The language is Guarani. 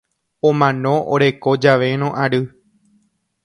Omano oreko javérõ ary.